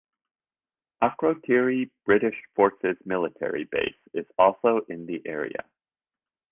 Akrotiri British Forces Military Base is also in the area.